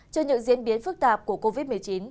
trên những diễn biến phức tạp của covid một mươi chín